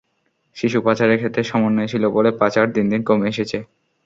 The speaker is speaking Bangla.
শিশু পাচারের ক্ষেত্রে সমন্বয় ছিল বলে পাচার দিন দিন কমে এসেছে।